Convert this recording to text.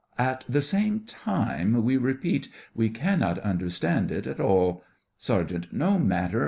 At the same time, we repeat, we cannot understand it at all. SERGEANT: No matter.